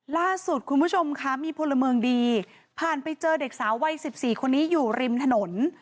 ล่าสุดคุณผู้ชมค่ะมีพลเมืองดีผ่านไปเจอเด็กสาววัย๑๔คนนี้อยู่ริมถนน